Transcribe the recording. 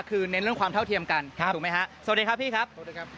คือเน้นเรื่องความเท่าเทียมกันถูกไหมฮะสวัสดีครับพี่ครับสวัสดีครับ